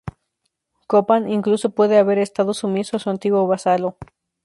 Copán incluso puede haber estado sumiso a su antiguo vasallo.